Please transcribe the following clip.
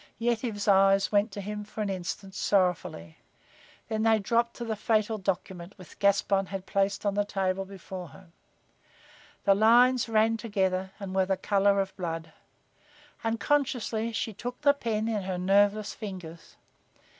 Yetive's eyes went to him, for an instant, sorrowfully. Then they dropped to the fatal document which Gaspon had placed on the table before her. The lines ran together and were the color of blood. Unconsciously she took the pen in her nerveless fingers.